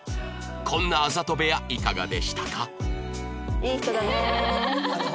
こんなあざと部屋いかがでしたか？